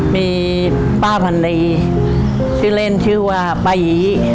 มีป้าพันดีชื่อเล่นชื่อว่าป้ายี